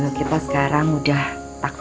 saati kolak nossa dan nations cawhai